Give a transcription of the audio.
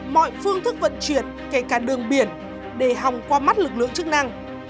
mọi phương thức vận chuyển kể cả đường biển để hòng qua mắt lực lượng chức năng